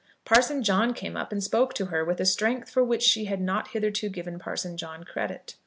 Parson John came up and spoke to her with a strength for which she had not hitherto given Parson John credit.